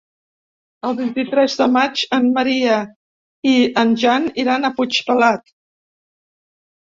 El vint-i-tres de maig en Maria i en Jan iran a Puigpelat.